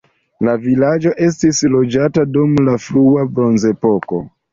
La vilaĝo estis loĝata dum la frua bronzepoko.